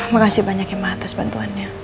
makasih banyak ya mbak atas bantuannya